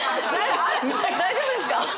大丈夫ですか！？